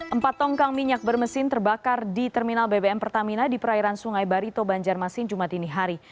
empat tongkang minyak bermesin terbakar di terminal bbm pertamina di perairan sungai barito banjarmasin jumat ini hari